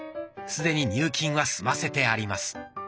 すでに入金は済ませてあります。